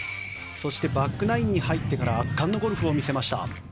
そしてバックナインに入ってからは圧巻のゴルフを見せました。